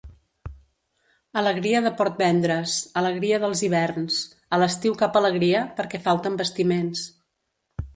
Alegria de Portvendres, alegria dels hiverns; a l'estiu cap alegria, perquè falten bastiments.